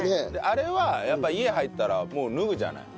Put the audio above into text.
あれはやっぱ家に入ったらもう脱ぐじゃない。